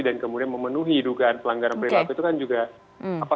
dan kemudian memenuhi dugaan pelanggaran perilaku itu kan juga